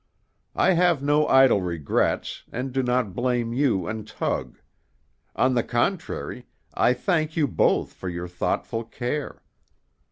I have no idle regrets, and do not blame you and Tug. On the contrary, I thank you both for your thoughtful care.